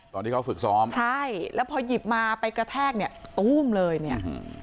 ตอนที่เขาฝึกซ้อมใช่แล้วพอหยิบมาไปกระแทกเนี่ยตู้มเลยเนี่ย